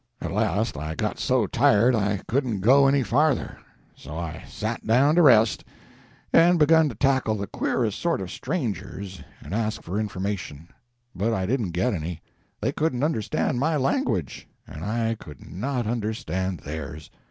At last I got so tired I couldn't go any farther; so I sat down to rest, and begun to tackle the queerest sort of strangers and ask for information, but I didn't get any; they couldn't understand my language, and I could not understand theirs.